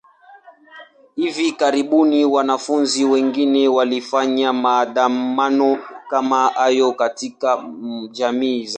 Hivi karibuni, wanafunzi wengine walifanya maandamano kama hayo katika jamii zao.